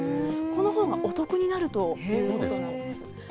このほうがお得になるということなんです。